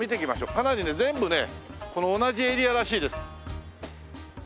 かなりね全部ねこの同じエリアらしいです。